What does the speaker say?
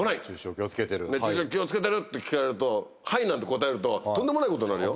「熱中症気をつけてる？」って聞かれると「ハイッ」なんて答えるととんでもないことになるよ。